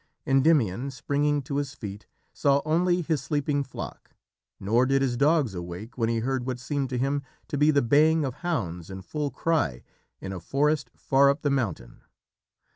Endymion, springing to his feet, saw only his sleeping flock, nor did his dogs awake when he heard what seemed to him to be the baying of hounds in full cry in a forest far up the mountain.